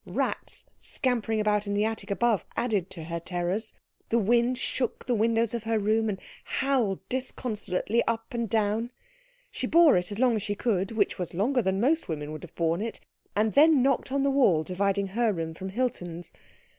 Rats scampering about in the attic above added to her terrors. The wind shook the windows of her room and howled disconsolately up and down. She bore it as long as she could, which was longer than most women would have borne it, and then knocked on the wall dividing her room from Hilton's.